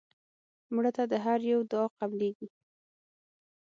مړه ته د هر یو دعا قبلیږي